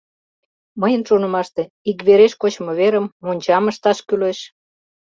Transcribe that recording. Мыйын шонымаште, иквереш кочмо верым, мончам ышташ кӱлеш.